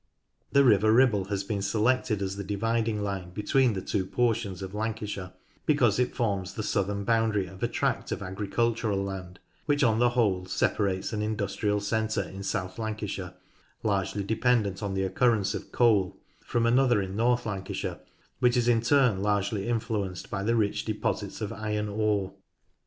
The river Ribble has been selected as the dividing line between the two portions of Lancashire because it forms the southern boundary of a tract of agricultural land, which on the whole separates an industrial centre in South Lancashire, largely dependent upon the occur rence of coal, from another in North Lancashire which is in turn largely influenced by the rich deposits of iron ore.